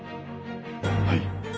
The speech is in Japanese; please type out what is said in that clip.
はい。